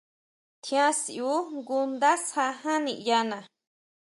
Tjian sʼíu jngu ndásja ján niʼyana.